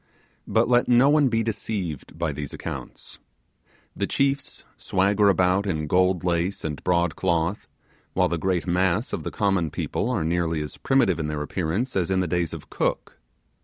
But let no one be deceived by these accounts. The chiefs swagger about in gold lace and broadcloth, while the great mass of the common people are nearly as primitive in their appearance as in the days of Cook.